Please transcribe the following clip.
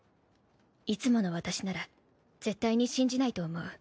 いつもの私なら絶対に信じないと思う。